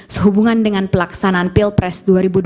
sehubungan dengan pelaksanaan pilpres dua ribu dua puluh